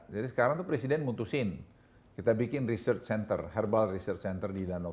jadi sekarang itu presiden mutusin kita bikin research center herbal research center di danau